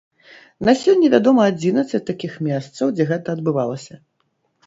На сёння вядома адзінаццаць такіх месцаў, дзе гэта адбывалася.